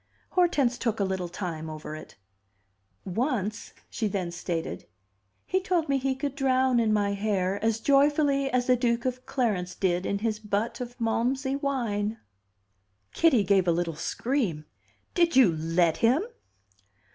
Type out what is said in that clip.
Hortense took a little time over it "Once," she then stated, "he told me he could drown in my hair as joyfully as the Duke of Clarence did in his butt of Malmsey wine!" Kitty gave a little scream. "Did you let him?"